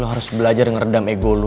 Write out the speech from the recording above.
lu harus belajar ngeredam ego lu